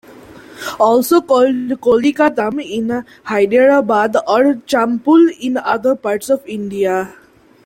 Also called "Koli kaDam" in Hyderabad, or "Champul" in other parts of India.